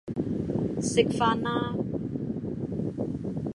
食飯啦